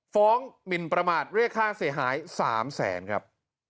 ฟ้องมิลประมาทเรื่องค่าเสียหาย๓๐๐๐๐๐บาทครับ